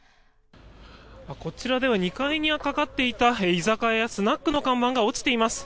２階にかかっていた居酒屋、スナックの看板が落ちています。